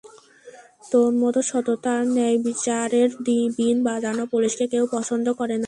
তোর মতো সততা আর ন্যায়বিচারের বিন বজানো পুলিশকে, কেউ পছন্দ করে না।